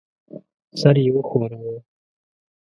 سر یې وښوراوه.